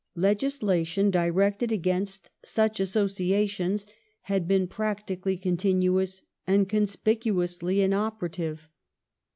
legis lation directed against such associations had been practically con tinuous and conspicuously inoperative.